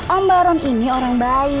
om baron ini orang baik